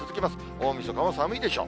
大みそかも寒いでしょう。